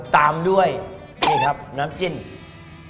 ตามด้วยนี่ครับน้ำจิ้ม